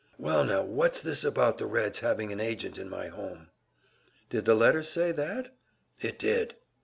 "Well, now, what's this about the Reds having an agent in my home?" "Did the letter say that?" "It did."